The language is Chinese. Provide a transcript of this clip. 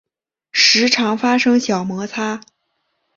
时常发生小摩擦